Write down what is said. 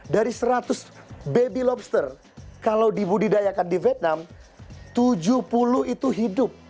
dari seratus baby lobster kalau dibudidayakan di vietnam tujuh puluh itu hidup